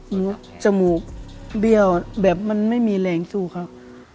จมูกเบี้ยวแบบมันไม่มีแรงสู้ครับ